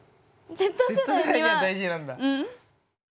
Ｚ世代には大事なんだ。